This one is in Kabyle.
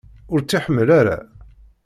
Ur tt-iḥemmel ara?